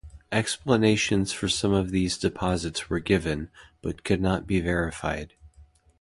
Explanations for some of these deposits were given... but could not be verified.